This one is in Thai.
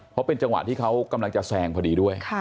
เพราะเป็นจังหวะที่เขากำลังจะแซงพอดีด้วย